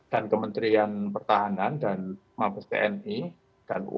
dan kementerian pertahanan dan tni dan uu